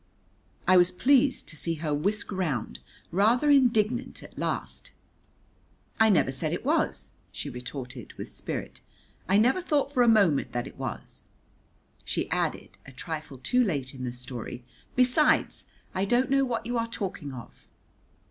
I was pleased to see her whisk round, rather indignant at last. "I never said it was," she retorted with spirit, "I never thought for a moment that it was." She added, a trifle too late in the story, "Besides, I don't know what you are talking of."